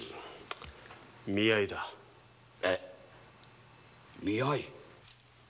見合いだ。え見合い。